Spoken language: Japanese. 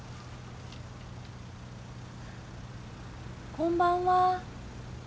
こんばんはー。